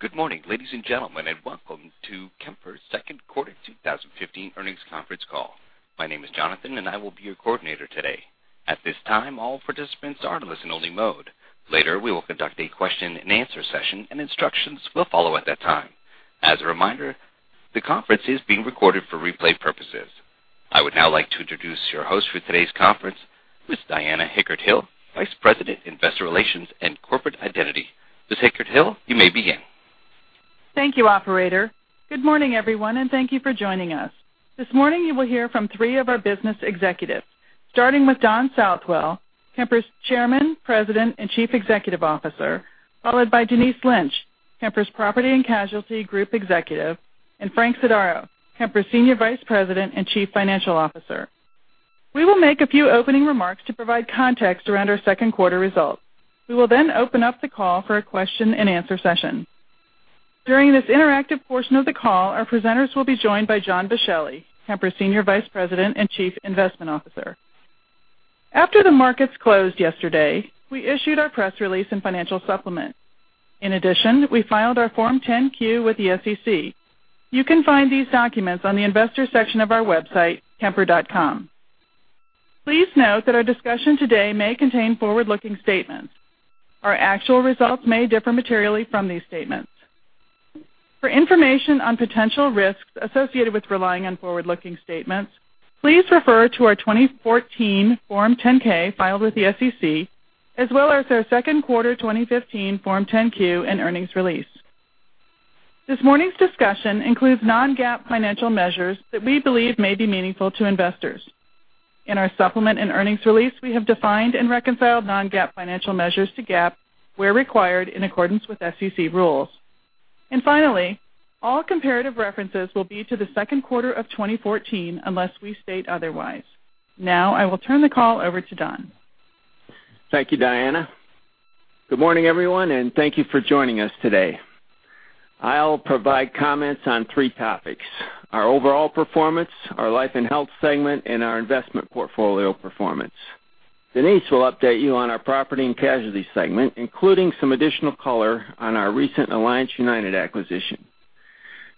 Good morning, ladies and gentlemen. Welcome to Kemper's second quarter 2015 earnings conference call. My name is Jonathan. I will be your coordinator today. At this time, all participants are in listen only mode. Later, we will conduct a question and answer session. Instructions will follow at that time. As a reminder, the conference is being recorded for replay purposes. I would now like to introduce your host for today's conference, Ms. Diana Hickert-Hill, Vice President, Investor Relations and Corporate Identity. Ms. Hickert-Hill, you may begin. Thank you, operator. Good morning, everyone. Thank you for joining us. This morning, you will hear from three of our business executives. Starting with Don Southwell, Kemper's Chairman, President, and Chief Executive Officer, followed by Denise Lynch, Kemper's Property and Casualty Group Executive, and Frank Sodaro, Kemper's Senior Vice President and Chief Financial Officer. We will make a few opening remarks to provide context around our second quarter results. We will open up the call for a question and answer session. During this interactive portion of the call, our presenters will be joined by John Boschelli, Kemper's Senior Vice President and Chief Investment Officer. After the markets closed yesterday, we issued our press release and financial supplement. In addition, we filed our Form 10-Q with the SEC. You can find these documents on the investor section of our website, kemper.com. Please note that our discussion today may contain forward-looking statements. Our actual results may differ materially from these statements. For information on potential risks associated with relying on forward-looking statements, please refer to our 2014 Form 10-K filed with the SEC, as well as our second quarter 2015 Form 10-Q and earnings release. This morning's discussion includes non-GAAP financial measures that we believe may be meaningful to investors. In our supplement and earnings release, we have defined and reconciled non-GAAP financial measures to GAAP where required in accordance with SEC rules. Finally, all comparative references will be to the second quarter of 2014 unless we state otherwise. Now, I will turn the call over to Don. Thank you, Diana. Good morning, everyone. Thank you for joining us today. I'll provide comments on three topics: our overall performance, our life and health segment, and our investment portfolio performance. Denise will update you on our property and casualty segment, including some additional color on our recent Alliance United acquisition.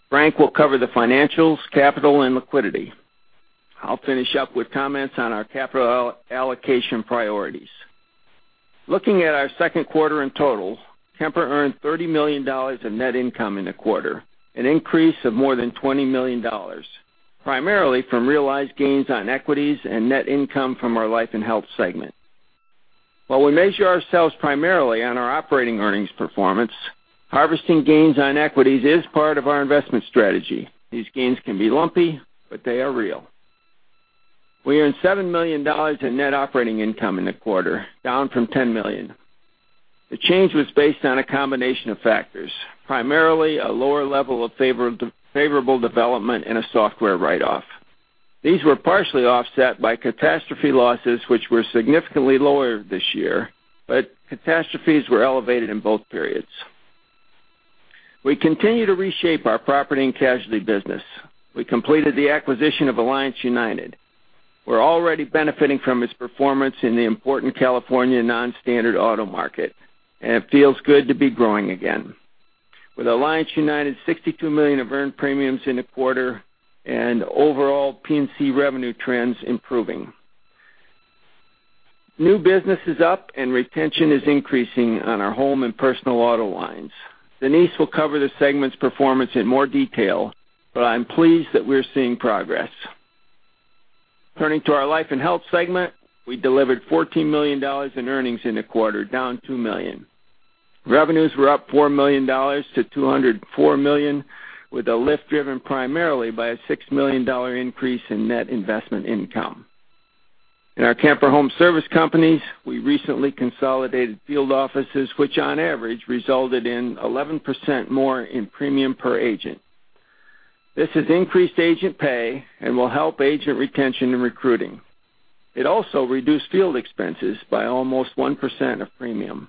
Frank will cover the financials, capital, and liquidity. I'll finish up with comments on our capital allocation priorities. Looking at our second quarter in total, Kemper earned $30 million in net income in the quarter, an increase of more than $20 million, primarily from realized gains on equities and net income from our life and health segment. While we measure ourselves primarily on our operating earnings performance, harvesting gains on equities is part of our investment strategy. These gains can be lumpy, but they are real. We earned $7 million in net operating income in the quarter, down from $10 million. The change was based on a combination of factors, primarily a lower level of favorable development and a software write-off. These were partially offset by catastrophe losses, which were significantly lower this year, but catastrophes were elevated in both periods. We continue to reshape our property and casualty business. We completed the acquisition of Alliance United. We're already benefiting from its performance in the important California Non-Standard Auto market, and it feels good to be growing again. With Alliance United's $62 million of earned premiums in the quarter and overall P&C revenue trends improving. New business is up, and retention is increasing on our Home and Personal Auto lines. Denise will cover the segment's performance in more detail, but I'm pleased that we're seeing progress. Turning to our life and health segment, we delivered $14 million in earnings in the quarter, down $2 million. Revenues were up $4 million to $204 million, with a lift driven primarily by a $6 million increase in net investment income. In our Kemper Home Service Companies, we recently consolidated field offices, which on average resulted in 11% more in premium per agent. This has increased agent pay and will help agent retention and recruiting. It also reduced field expenses by almost 1% of premium.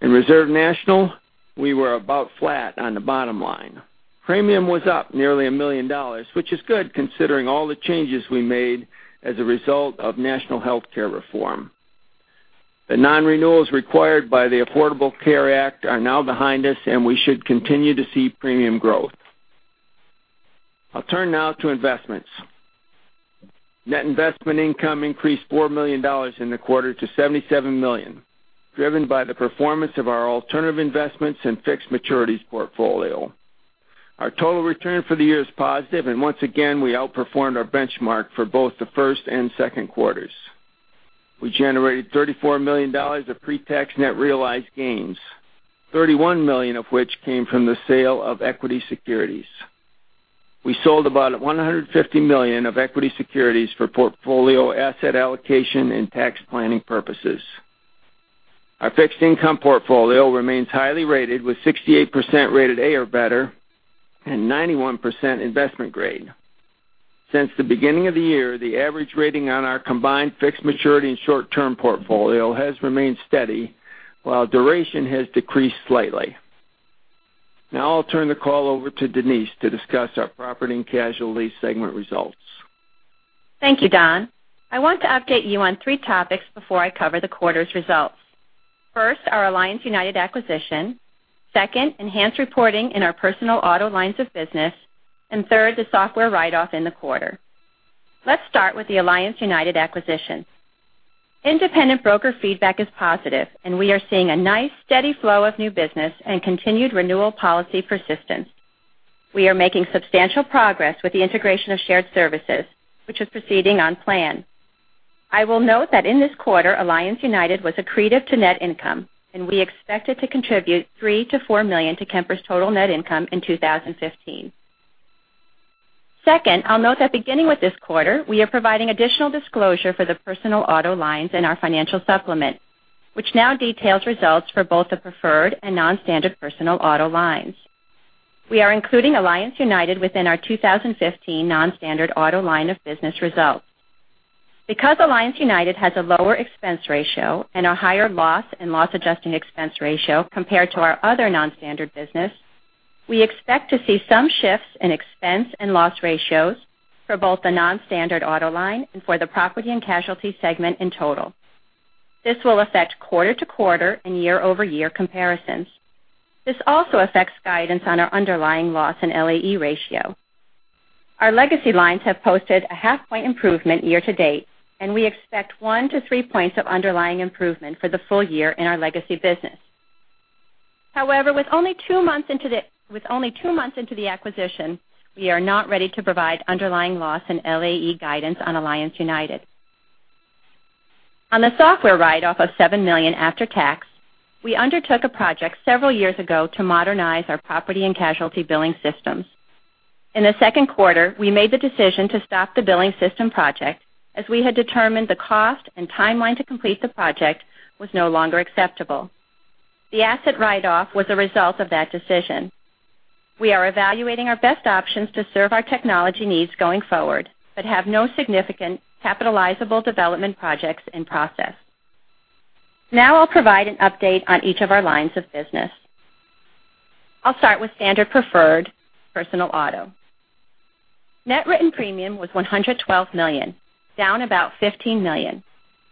In Reserve National, we were about flat on the bottom line. Premium was up nearly $1 million, which is good considering all the changes we made as a result of national healthcare reform. The non-renewals required by the Affordable Care Act are now behind us, and we should continue to see premium growth. I'll turn now to investments. Net investment income increased $4 million in the quarter to $77 million, driven by the performance of our alternative investments and fixed maturities portfolio. Our total return for the year is positive, and once again, we outperformed our benchmark for both the first and second quarters. We generated $34 million of pre-tax net realized gains, $31 million of which came from the sale of equity securities. We sold about $150 million of equity securities for portfolio asset allocation and tax planning purposes. Our fixed income portfolio remains highly rated with 68% rated A or better and 91% investment grade. Since the beginning of the year, the average rating on our combined fixed maturity and short-term portfolio has remained steady while duration has decreased slightly. Now I'll turn the call over to Denise to discuss our property and casualty segment results. Thank you, Don. I want to update you on three topics before I cover the quarter's results. First, our Alliance United acquisition. Second, enhanced reporting in our Personal Auto lines of business. Third, the software write-off in the quarter. Let's start with the Alliance United acquisition. Independent broker feedback is positive, and we are seeing a nice steady flow of new business and continued renewal policy persistence. We are making substantial progress with the integration of shared services, which is proceeding on plan. I will note that in this quarter, Alliance United was accretive to net income, and we expect it to contribute $3 million to $4 million to Kemper's total net income in 2015. Second, I'll note that beginning with this quarter, we are providing additional disclosure for the Personal Auto lines in our financial supplement, which now details results for both the Preferred and Non-Standard Personal Auto lines. We are including Alliance United within our 2015 non-standard auto line of business results. Because Alliance United has a lower expense ratio and a higher loss and loss adjusting expense ratio compared to our other non-standard business, we expect to see some shifts in expense and loss ratios for both the non-standard auto line and for the property and casualty segment in total. This will affect quarter-to-quarter and year-over-year comparisons. This also affects guidance on our underlying loss and LAE ratio. Our legacy lines have posted a half point improvement year to date, and we expect one to three points of underlying improvement for the full year in our legacy business. However, with only two months into the acquisition, we are not ready to provide underlying loss in LAE guidance on Alliance United. On the software write-off of $7 million after tax, we undertook a project several years ago to modernize our property and casualty billing systems. In the second quarter, we made the decision to stop the billing system project, as we had determined the cost and timeline to complete the project was no longer acceptable. The asset write-off was a result of that decision. We are evaluating our best options to serve our technology needs going forward, but have no significant capitalizable development projects in process. Now I'll provide an update on each of our lines of business. I'll start with standard preferred personal auto. Net written premium was $112 million, down about $15 million,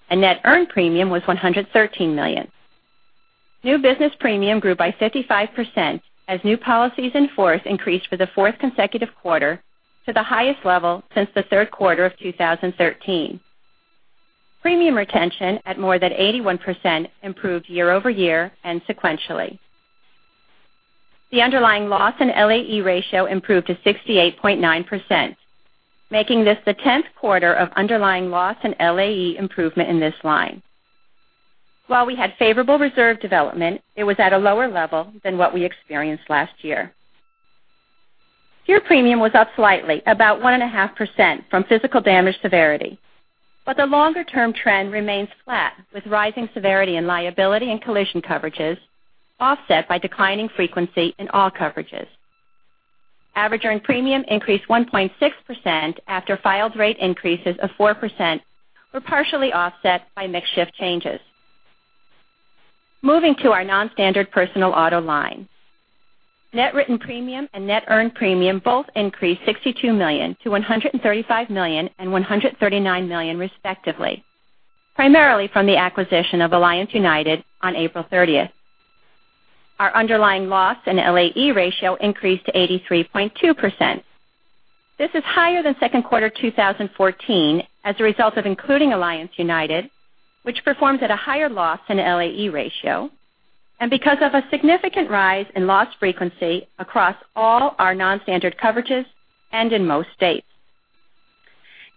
and net earned premium was $113 million. New business premium grew by 55% as new policies in force increased for the fourth consecutive quarter to the highest level since the third quarter of 2013. Premium retention at more than 81% improved year-over-year and sequentially. The underlying loss and LAE ratio improved to 68.9%, making this the 10th quarter of underlying loss and LAE improvement in this line. While we had favorable reserve development, it was at a lower level than what we experienced last year. Pure premium was up slightly, about 1.5% from physical damage severity. The longer-term trend remains flat, with rising severity and liability and collision coverages offset by declining frequency in all coverages. Average earned premium increased 1.6% after filed rate increases of 4% were partially offset by mix shift changes. Moving to our non-standard personal auto line. Net written premium and net earned premium both increased $62 million to $135 million and $139 million respectively, primarily from the acquisition of Alliance United on April 30th. Our underlying loss and LAE ratio increased to 83.2%. This is higher than second quarter 2014 as a result of including Alliance United, which performs at a higher loss in LAE ratio, and because of a significant rise in loss frequency across all our non-standard coverages and in most states.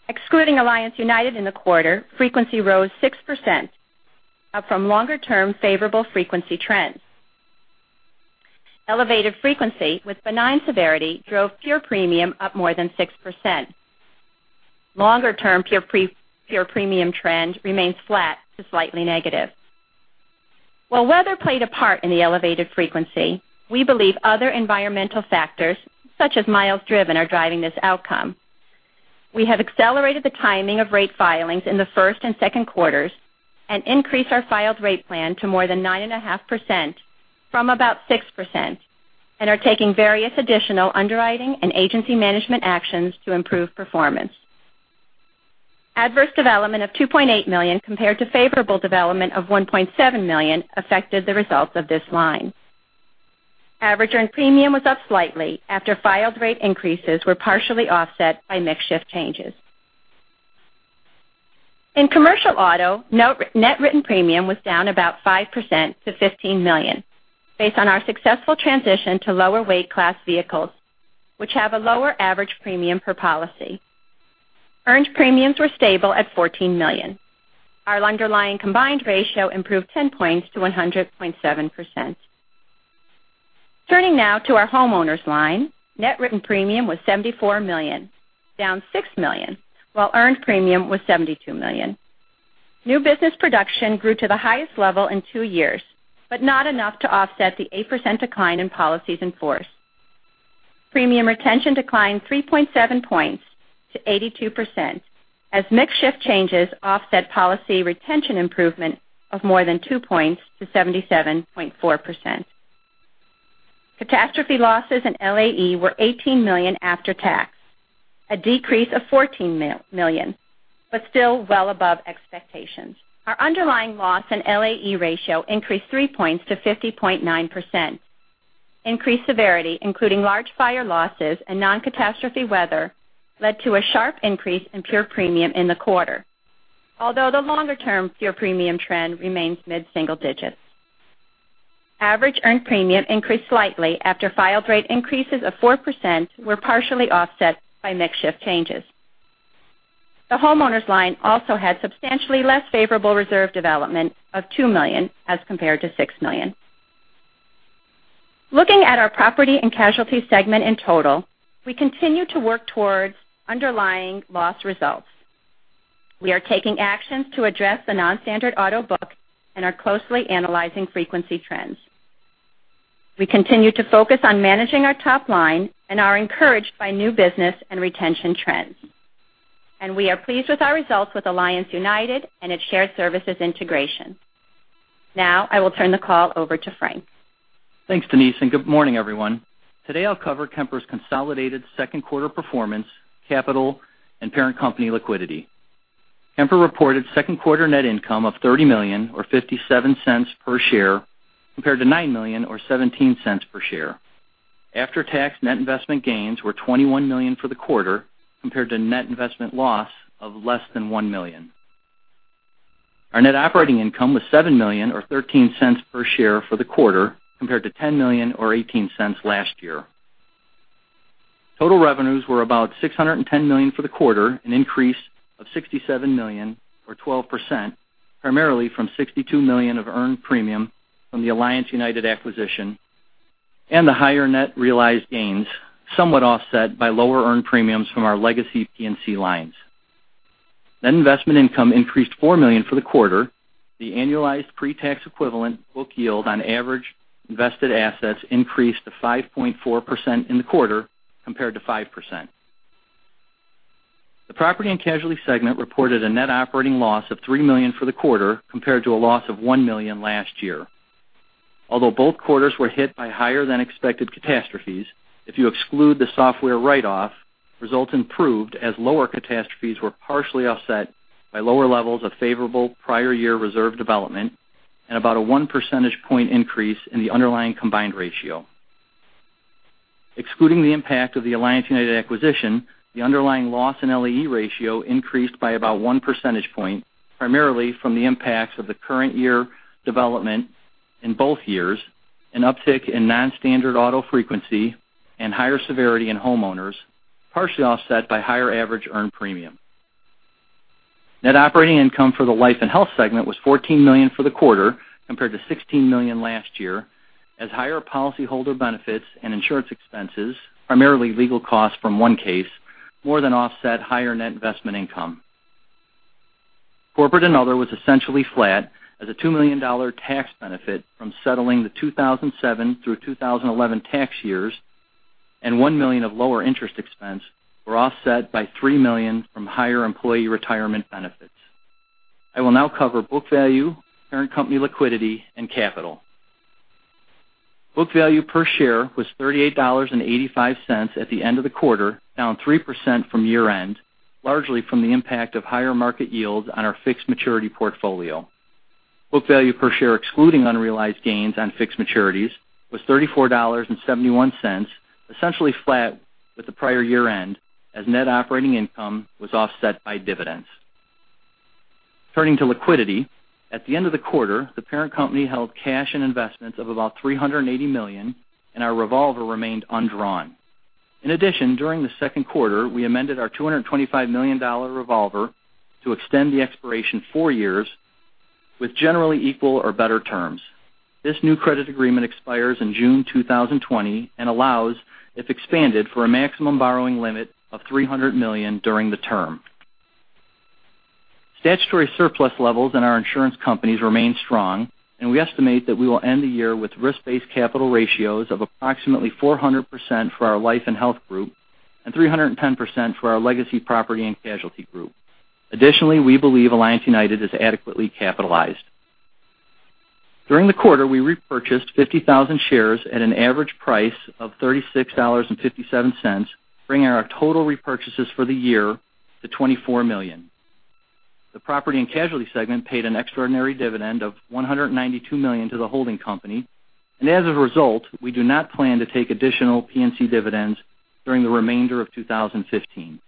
Excluding Alliance United in the quarter, frequency rose 6%, up from longer-term favorable frequency trends. Elevated frequency with benign severity drove pure premium up more than 6%. Longer-term pure premium trend remains flat to slightly negative. While weather played a part in the elevated frequency, we believe other environmental factors, such as miles driven, are driving this outcome. We have accelerated the timing of rate filings in the first and second quarters and increased our filed rate plan to more than 9.5% from about 6% and are taking various additional underwriting and agency management actions to improve performance. Adverse development of $2.8 million compared to favorable development of $1.7 million affected the results of this line. Average earned premium was up slightly after filed rate increases were partially offset by mix shift changes. In commercial auto, net written premium was down about 5% to $15 million, based on our successful transition to lower weight class vehicles, which have a lower average premium per policy. Earned premiums were stable at $14 million. Our underlying combined ratio improved 10 points to 100.7%. Turning now to our homeowners line, net written premium was $74 million, down $6 million, while earned premium was $72 million. New business production grew to the highest level in two years, but not enough to offset the 8% decline in policies in force. Premium retention declined 3.7 points to 82% as mix shift changes offset policy retention improvement of more than two points to 77.4%. Catastrophe losses in LAE were $18 million after tax, a decrease of $14 million, but still well above expectations. Our underlying loss in LAE ratio increased three points to 50.9%. Increased severity, including large fire losses and non-catastrophe weather, led to a sharp increase in pure premium in the quarter. Although the longer-term pure premium trend remains mid-single digits. Average earned premium increased slightly after filed rate increases of 4% were partially offset by mix shift changes. The homeowners line also had substantially less favorable reserve development of $2 million as compared to $6 million. Looking at our P&C segment in total, we continue to work towards underlying loss results. We are taking actions to address the non-standard auto book and are closely analyzing frequency trends. We continue to focus on managing our top line and are encouraged by new business and retention trends. We are pleased with our results with Alliance United and its shared services integration. Now, I will turn the call over to Frank. Thanks, Denise, and good morning, everyone. Today, I'll cover Kemper's consolidated second quarter performance, capital, and parent company liquidity. Kemper reported second quarter net income of $30 million, or $0.57 per share, compared to $9 million or $0.17 per share. After-tax net investment gains were $21 million for the quarter, compared to net investment loss of less than $1 million. Our net operating income was $7 million, or $0.13 per share for the quarter, compared to $10 million or $0.18 last year. Total revenues were about $610 million for the quarter, an increase of $67 million or 12%, primarily from $62 million of earned premium from the Alliance United acquisition and the higher net realized gains, somewhat offset by lower earned premiums from our legacy P&C lines. Net investment income increased $4 million for the quarter. The annualized pre-tax equivalent book yield on average invested assets increased to 5.4% in the quarter compared to 5%. The property and casualty segment reported a net operating loss of $3 million for the quarter, compared to a loss of $1 million last year. Although both quarters were hit by higher-than-expected catastrophes, if you exclude the software write-off, results improved as lower catastrophes were partially offset by lower levels of favorable prior year reserve development and about a one percentage point increase in the underlying combined ratio. Excluding the impact of the Alliance United acquisition, the underlying loss in LAE ratio increased by about one percentage point, primarily from the impacts of the current year development in both years, an uptick in non-standard auto frequency, and higher severity in homeowners, partially offset by higher average earned premium. Net operating income for the life and health segment was $14 million for the quarter, compared to $16 million last year, as higher policyholder benefits and insurance expenses, primarily legal costs from one case, more than offset higher net investment income. Corporate and other was essentially flat as a $2 million tax benefit from settling the 2007 through 2011 tax years and $1 million of lower interest expense were offset by $3 million from higher employee retirement benefits. I will now cover book value, parent company liquidity, and capital. Book value per share was $38.85 at the end of the quarter, down 3% from year-end, largely from the impact of higher market yields on our fixed maturity portfolio. Book value per share excluding unrealized gains on fixed maturities was $34.71, essentially flat with the prior year-end, as net operating income was offset by dividends. Turning to liquidity. At the end of the quarter, the parent company held cash and investments of about $380 million, and our revolver remained undrawn. In addition, during the second quarter, we amended our $225 million revolver to extend the expiration four years with generally equal or better terms. This new credit agreement expires in June 2020 and allows, if expanded, for a maximum borrowing limit of $300 million during the term. Statutory surplus levels in our insurance companies remain strong, and we estimate that we will end the year with risk-based capital ratios of approximately 400% for our life and health group and 310% for our legacy property and casualty group. Additionally, we believe Alliance United is adequately capitalized. During the quarter, we repurchased 50,000 shares at an average price of $36.57, bringing our total repurchases for the year to $24 million. The property and casualty segment paid an extraordinary dividend of $192 million to the holding company, and as a result, we do not plan to take additional P&C dividends during the remainder of 2015.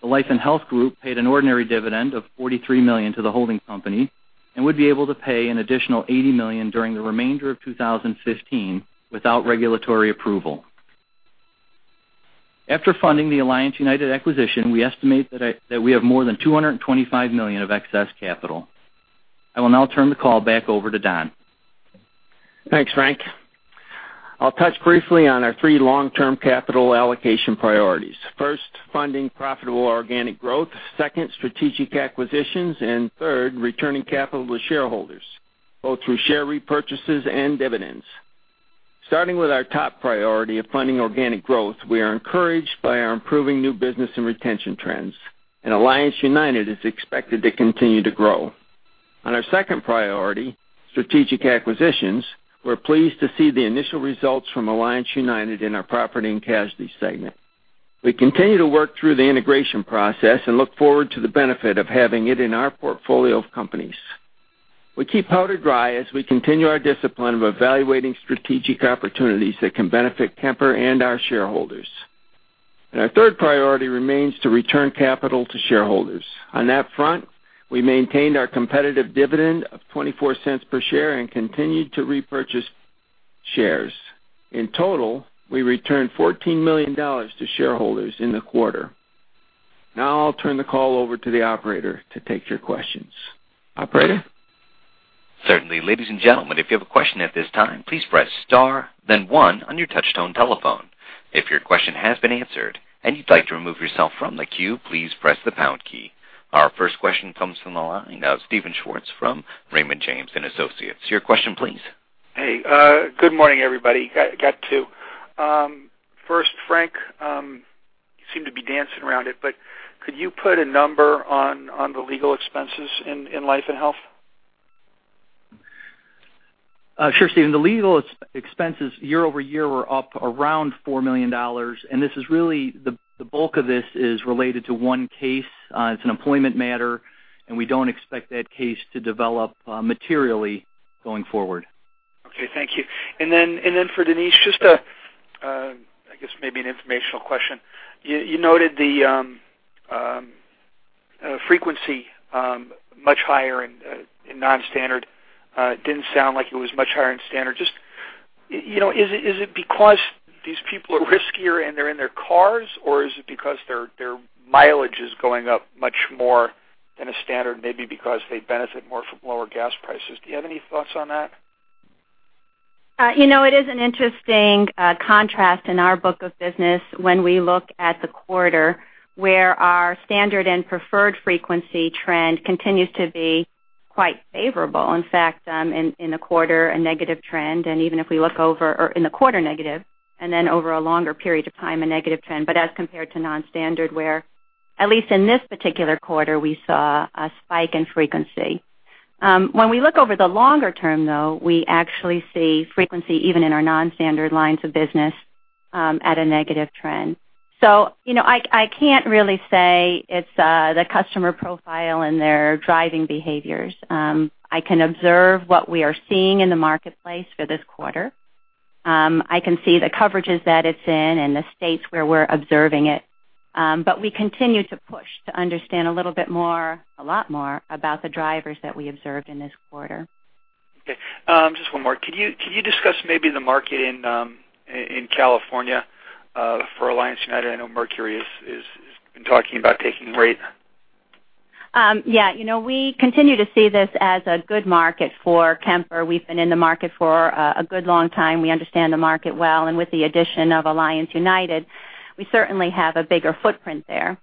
The life and health group paid an ordinary dividend of $43 million to the holding company and would be able to pay an additional $80 million during the remainder of 2015 without regulatory approval. After funding the Alliance United acquisition, we estimate that we have more than $225 million of excess capital. I will now turn the call back over to Don. Thanks, Frank. I'll touch briefly on our 3 long-term capital allocation priorities. First, funding profitable organic growth, second, strategic acquisitions, and third, returning capital to shareholders, both through share repurchases and dividends. Starting with our top priority of funding organic growth, we are encouraged by our improving new business and retention trends. Alliance United is expected to continue to grow On our second priority, strategic acquisitions, we're pleased to see the initial results from Alliance United in our property and casualty segment. We continue to work through the integration process and look forward to the benefit of having it in our portfolio of companies. We keep powder dry as we continue our discipline of evaluating strategic opportunities that can benefit Kemper and our shareholders. Our third priority remains to return capital to shareholders. On that front, we maintained our competitive dividend of $0.24 per share and continued to repurchase shares. In total, we returned $14 million to shareholders in the quarter. Now I'll turn the call over to the operator to take your questions. Operator? Certainly. Ladies and gentlemen, if you have a question at this time, please press star then one on your touch tone telephone. If your question has been answered and you'd like to remove yourself from the queue, please press the pound key. Our first question comes from the line of Steven Schwartz from Raymond James & Associates. Your question please. Hey, good morning, everybody. Got 2. First, Frank, you seem to be dancing around it, could you put a number on the legal expenses in Life and Health? Sure, Steven. The legal expenses year-over-year were up around $4 million. The bulk of this is related to one case. It's an employment matter, and we don't expect that case to develop materially going forward. Okay. Thank you. For Denise, I guess maybe an informational question. You noted the frequency much higher in non-standard. Didn't sound like it was much higher in standard. Is it because these people are riskier and they're in their cars, or is it because their mileage is going up much more than a standard, maybe because they benefit more from lower gas prices? Do you have any thoughts on that? It is an interesting contrast in our book of business when we look at the quarter where our standard and preferred frequency trend continues to be quite favorable. In fact, in the quarter, a negative trend, and even if we look over or in the quarter negative, then over a longer period of time, a negative trend. As compared to non-standard, where, at least in this particular quarter, we saw a spike in frequency. When we look over the longer term, though, we actually see frequency even in our non-standard lines of business, at a negative trend. I can't really say it's the customer profile and their driving behaviors. I can observe what we are seeing in the marketplace for this quarter. I can see the coverages that it's in and the states where we're observing it. We continue to push to understand a little bit more, a lot more, about the drivers that we observed in this quarter. Okay. Just one more. Can you discuss maybe the market in California for Alliance United? I know Mercury has been talking about taking rate. Yeah. We continue to see this as a good market for Kemper. We've been in the market for a good long time. We understand the market well. With the addition of Alliance United, we certainly have a bigger footprint there.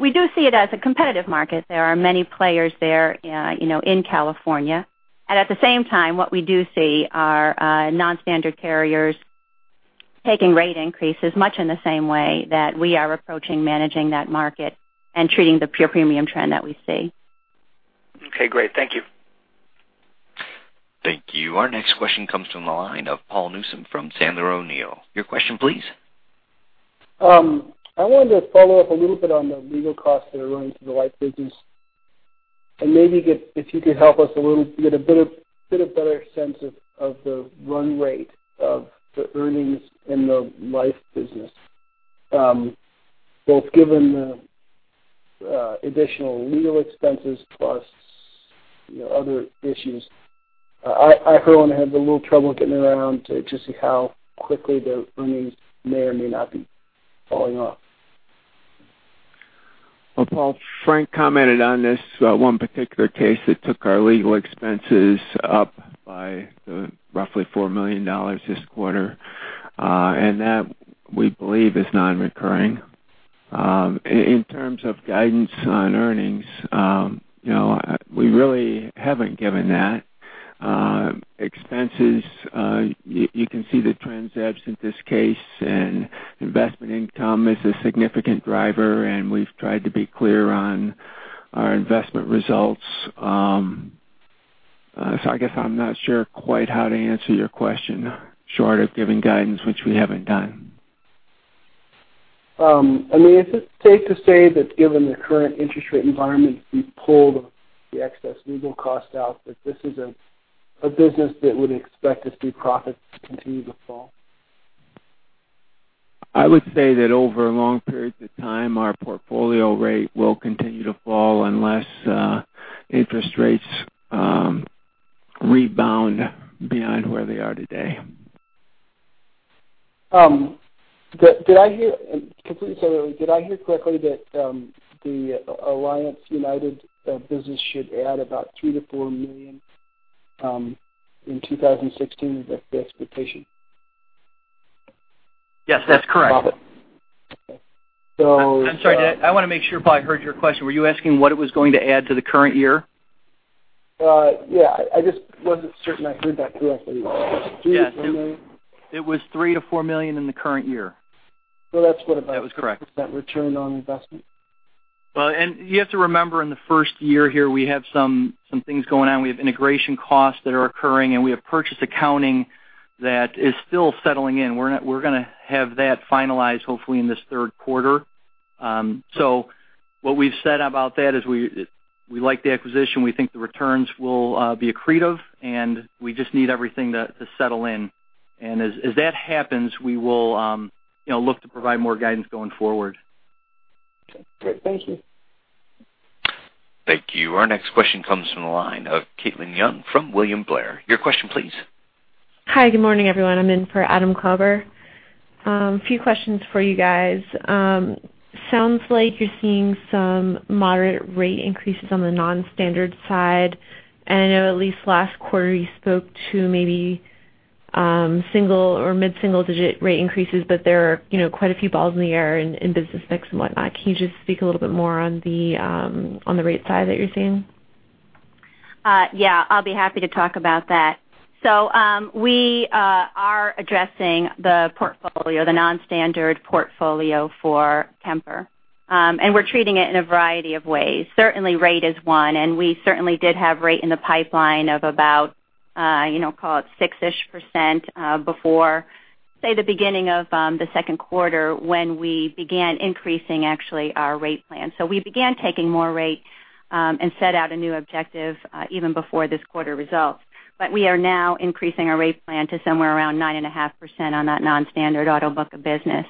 We do see it as a competitive market. There are many players there in California. At the same time, what we do see are non-standard carriers taking rate increases much in the same way that we are approaching managing that market and treating the pure premium trend that we see. Okay, great. Thank you. Thank you. Our next question comes from the line of Paul Newsome from Sandler O'Neill. Your question, please. I wanted to follow up a little bit on the legal costs that are running through the life business. Maybe if you could help us a little, get a bit of better sense of the run rate of the earnings in the life business, both given the additional legal expenses plus the other issues. I, for one, had a little trouble getting around to just see how quickly the earnings may or may not be falling off. Well, Paul, Frank commented on this one particular case that took our legal expenses up by roughly $4 million this quarter. That, we believe, is non-recurring. In terms of guidance on earnings, we really haven't given that. Expenses, you can see the trends absent this case, and investment income is a significant driver, and we've tried to be clear on our investment results. I guess I'm not sure quite how to answer your question short of giving guidance, which we haven't done. Is it safe to say that given the current interest rate environment, if we pulled the excess legal cost out, that this is a business that would expect to see profits continue to fall? I would say that over long periods of time, our portfolio rate will continue to fall unless interest rates rebound beyond where they are today. Did I hear correctly that the Alliance United business should add about $3 million-$4 million in 2016 is the expectation? Yes, that's correct. Profit. I'm sorry. I want to make sure if I heard your question. Were you asking what it was going to add to the current year? Yeah. I just wasn't certain I heard that correctly. $3 million-$4 million? It was $3 million-$4 million in the current year. That's what? That was correct. 6% return on investment? Well, you have to remember, in the first year here, we have some things going on. We have integration costs that are occurring, and we have purchase accounting that is still settling in. We're going to have that finalized hopefully in this third quarter. What we've said about that is we like the acquisition. We think the returns will be accretive, and we just need everything to settle in. As that happens, we will look to provide more guidance going forward. Okay, great. Thank you. Thank you. Our next question comes from the line of Carl J. Young from William Blair. Your question please. Hi, good morning, everyone. I'm in for Adam Klauber. A few questions for you guys. Sounds like you're seeing some moderate rate increases on the non-standard side. I know at least last quarter you spoke to maybe single or mid-single digit rate increases, but there are quite a few balls in the air in business mix and whatnot. Can you just speak a little bit more on the rate side that you're seeing? I'll be happy to talk about that. We are addressing the portfolio, the non-standard portfolio for Kemper. We're treating it in a variety of ways. Certainly, rate is one, and we certainly did have rate in the pipeline of about call it 6% before, say, the beginning of the second quarter, when we began increasing actually our rate plan. We began taking more rate, and set out a new objective even before this quarter results. We are now increasing our rate plan to somewhere around 9.5% on that non-standard auto book of business.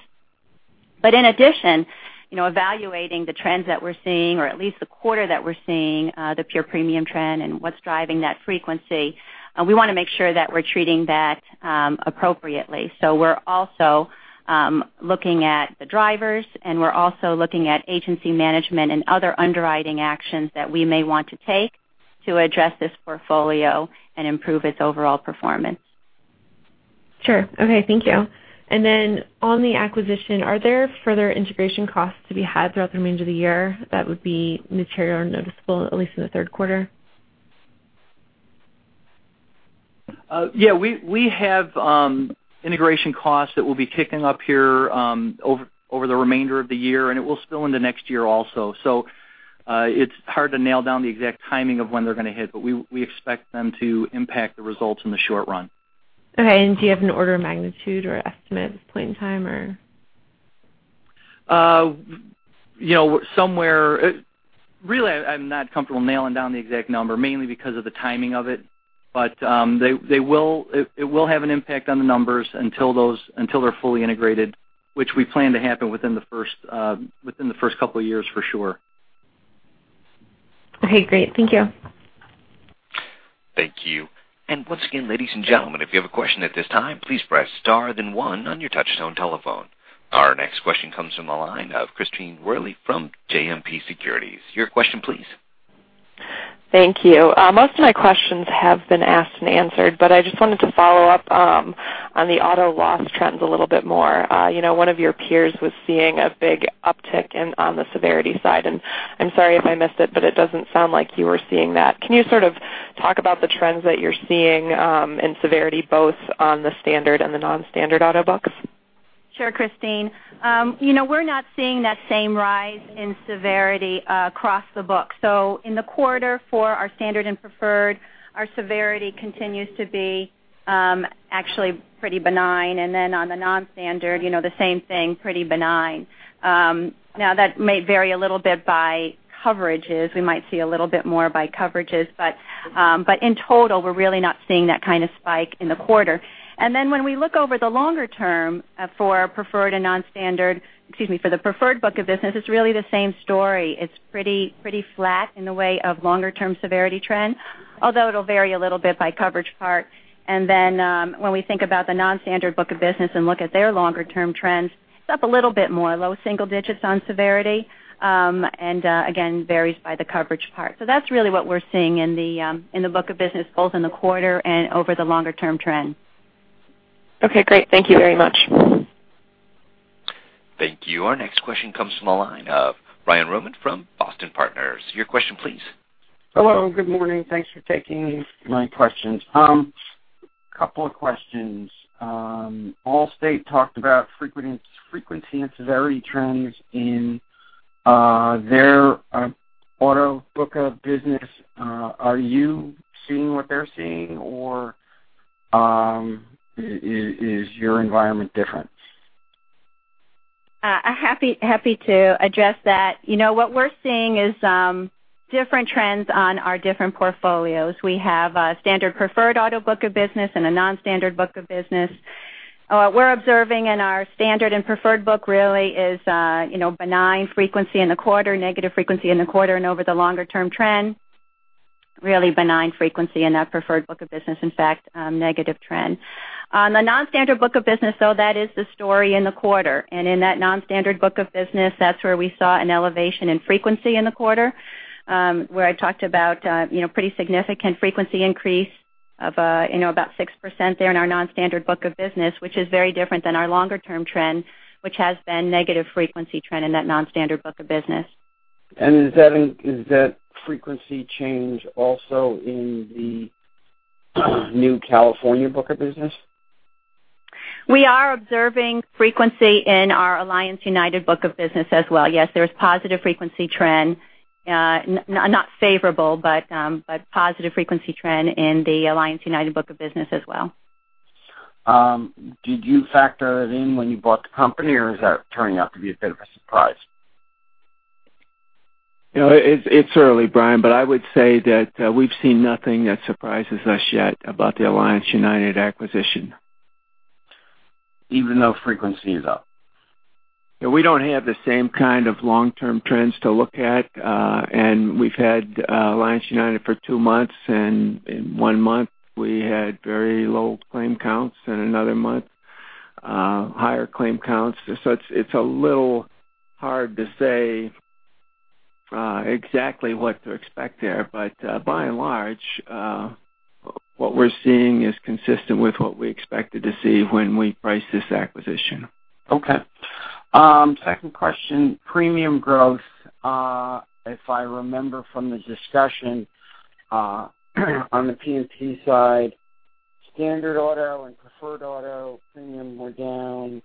In addition, evaluating the trends that we're seeing or at least the quarter that we're seeing, the pure premium trend and what's driving that frequency, we want to make sure that we're treating that appropriately. We're also looking at the drivers, and we're also looking at agency management and other underwriting actions that we may want to take to address this portfolio and improve its overall performance. Sure. Okay. Thank you. Then on the acquisition, are there further integration costs to be had throughout the remainder of the year that would be material or noticeable, at least in the third quarter? Yeah. We have integration costs that will be kicking up here over the remainder of the year, and it will spill into next year also. It's hard to nail down the exact timing of when they're going to hit, but we expect them to impact the results in the short run. Okay. Do you have an order of magnitude or estimate at this point in time or? Really, I'm not comfortable nailing down the exact number, mainly because of the timing of it. It will have an impact on the numbers until they're fully integrated, which we plan to happen within the first couple of years for sure. Okay, great. Thank you. Thank you. Once again, ladies and gentlemen, if you have a question at this time, please press star then one on your touchtone telephone. Our next question comes from the line of Christine Worley from JMP Securities. Your question please. Thank you. Most of my questions have been asked and answered. I just wanted to follow up on the auto loss trends a little bit more. One of your peers was seeing a big uptick on the severity side. I am sorry if I missed it does not sound like you were seeing that. Can you sort of talk about the trends that you are seeing in severity, both on the standard and the non-standard auto books? Sure, Christine. We are not seeing that same rise in severity across the book. In the quarter for our standard and preferred, our severity continues to be actually pretty benign. On the non-standard, the same thing, pretty benign. That may vary a little bit by coverages. We might see a little bit more by coverages. In total, we are really not seeing that kind of spike in the quarter. When we look over the longer term for preferred and non-standard, excuse me, for the preferred book of business, it is really the same story. It is pretty flat in the way of longer-term severity trend, although it will vary a little bit by coverage part. When we think about the non-standard book of business and look at their longer-term trends, it is up a little bit more. Low single digits on severity. Again, varies by the coverage part. That is really what we are seeing in the book of business, both in the quarter and over the longer-term trend. Great. Thank you very much. Thank you. Our next question comes from the line of Ryan Roman from Boston Partners. Your question please. Hello, good morning. Thanks for taking my questions. Couple of questions. Allstate talked about frequency and severity trends in their auto book of business. Are you seeing what they're seeing, or is your environment different? Happy to address that. What we're seeing is different trends on our different portfolios. We have a standard preferred auto book of business and a non-standard book of business. What we're observing in our standard and preferred book really is benign frequency in the quarter, negative frequency in the quarter and over the longer-term trend. Really benign frequency in that preferred book of business. In fact, negative trend. On the non-standard book of business, though, that is the story in the quarter. In that non-standard book of business, that's where we saw an elevation in frequency in the quarter, where I talked about pretty significant frequency increase of about 6% there in our non-standard book of business, which is very different than our longer-term trend, which has been negative frequency trend in that non-standard book of business. Is that frequency change also in the new California book of business? We are observing frequency in our Alliance United book of business as well. Yes, there is positive frequency trend, not favorable, but positive frequency trend in the Alliance United book of business as well. Did you factor that in when you bought the company or is that turning out to be a bit of a surprise? It's early, Brian, but I would say that we've seen nothing that surprises us yet about the Alliance United acquisition. Even though frequency is up? We don't have the same kind of long-term trends to look at. We've had Alliance United for two months, and in one month we had very low claim counts, and another month higher claim counts. It's a little hard to say exactly what to expect there. By and large, what we're seeing is consistent with what we expected to see when we priced this acquisition. Okay. Second question. Premium growth. If I remember from the discussion, on the P&C side, standard auto and preferred auto premium were down.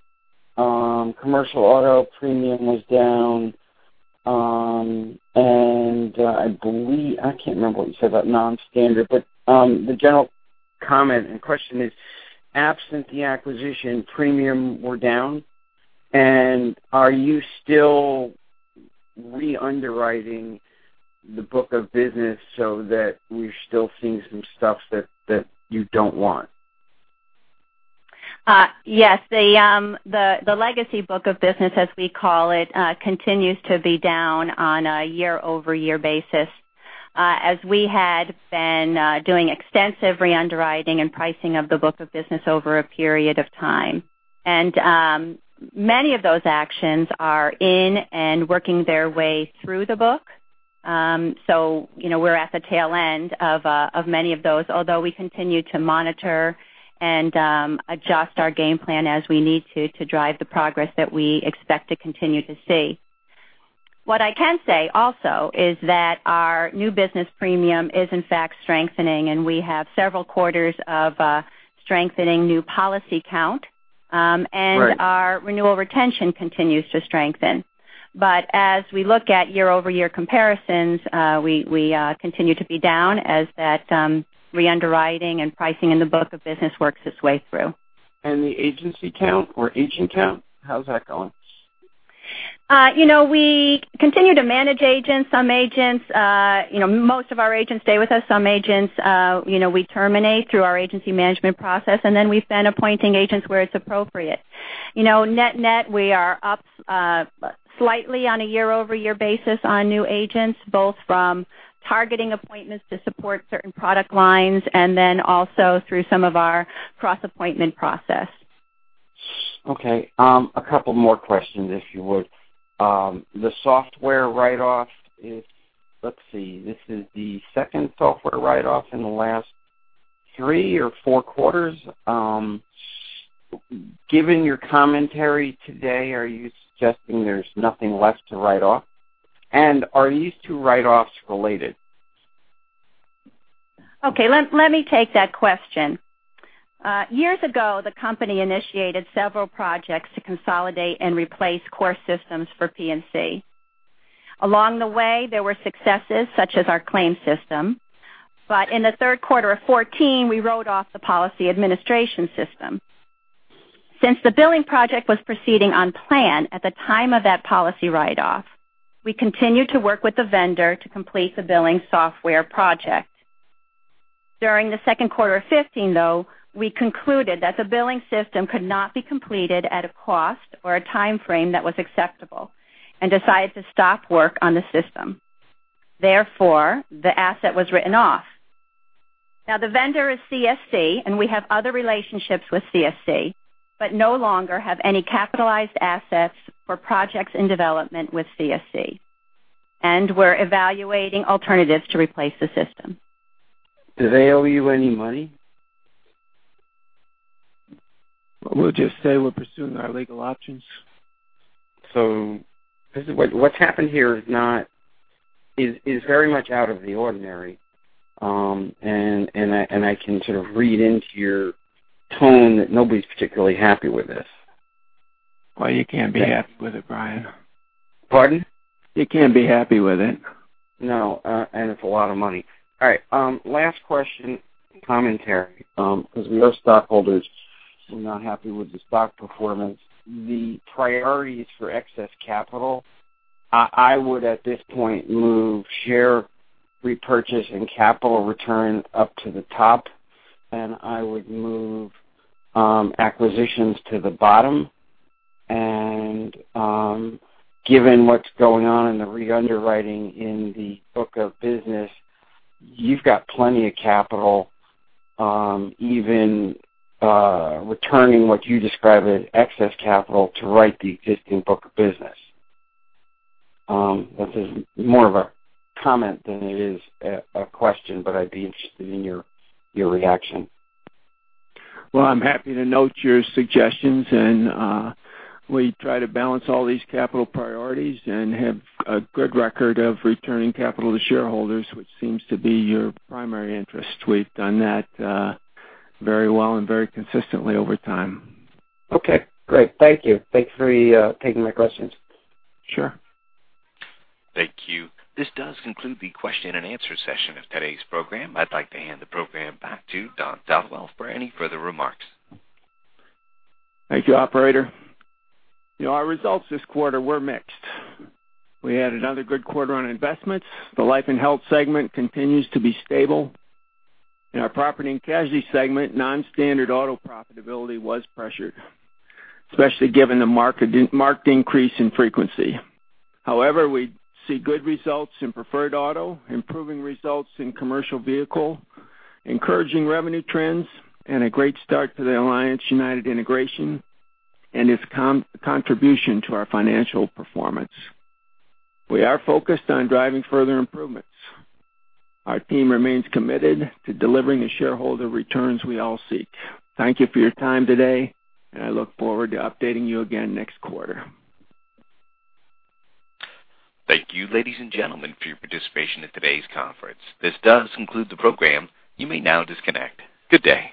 Commercial auto premium was down. I believe, I can't remember what you said about non-standard, but the general comment and question is, absent the acquisition, premium were down, and are you still re-underwriting the book of business so that you're still seeing some stuff that you don't want? Yes. The legacy book of business, as we call it, continues to be down on a year-over-year basis. We had been doing extensive re-underwriting and pricing of the book of business over a period of time. Many of those actions are in and working their way through the book. We're at the tail end of many of those. Although we continue to monitor and adjust our game plan as we need to drive the progress that we expect to continue to see. What I can say also is that our new business premium is in fact strengthening, and we have several quarters of strengthening new policy count- Right Our renewal retention continues to strengthen. As we look at year-over-year comparisons, we continue to be down as that re-underwriting and pricing in the book of business works its way through. The agency count or agent count, how's that going? We continue to manage agents. Most of our agents stay with us, some agents we terminate through our agency management process, and then we've been appointing agents where it's appropriate. Net-net, we are up slightly on a year-over-year basis on new agents, both from targeting appointments to support certain product lines and then also through some of our cross-appointment process. Okay. A couple more questions, if you would. The software write-off is, let's see, this is the second software write-off in the last three or four quarters. Given your commentary today, are you suggesting there's nothing left to write off? Are these two write-offs related? Okay. Let me take that question. Years ago, the company initiated several projects to consolidate and replace core systems for P&C. Along the way, there were successes such as our claim system. In the third quarter of 2014, we wrote off the policy administration system. Since the billing project was proceeding on plan at the time of that policy write-off, we continued to work with the vendor to complete the billing software project. During the second quarter of 2015, though, we concluded that the billing system could not be completed at a cost or a time frame that was acceptable and decided to stop work on the system. Therefore, the asset was written off. The vendor is CSC, and we have other relationships with CSC, but no longer have any capitalized assets for projects in development with CSC. We're evaluating alternatives to replace the system. Do they owe you any money? We'll just say we're pursuing our legal options. What's happened here is very much out of the ordinary. I can sort of read into your tone that nobody's particularly happy with this. Well, you can't be happy with it, Brian. Pardon? You can't be happy with it. No, it's a lot of money. All right, last question, commentary, because we know stockholders were not happy with the stock performance. The priorities for excess capital, I would at this point move share repurchase and capital return up to the top. I would move acquisitions to the bottom. Given what's going on in the re-underwriting in the book of business, you've got plenty of capital, even returning what you describe as excess capital to write the existing book of business. This is more of a comment than it is a question, but I'd be interested in your reaction. Well, I'm happy to note your suggestions. We try to balance all these capital priorities and have a good record of returning capital to shareholders, which seems to be your primary interest. We've done that very well and very consistently over time. Okay, great. Thank you. Thank you for taking my questions. Sure. Thank you. This does conclude the question and answer session of today's program. I'd like to hand the program back to Don Southwell for any further remarks. Thank you, operator. Our results this quarter were mixed. We had another good quarter on investments. The life and health segment continues to be stable. In our property and casualty segment, non-standard auto profitability was pressured, especially given the marked increase in frequency. However, we see good results in preferred auto, improving results in commercial vehicle, encouraging revenue trends, and a great start to the Alliance United integration and its contribution to our financial performance. We are focused on driving further improvements. Our team remains committed to delivering the shareholder returns we all seek. Thank you for your time today, and I look forward to updating you again next quarter. Thank you, ladies and gentlemen, for your participation in today's conference. This does conclude the program. You may now disconnect. Good day.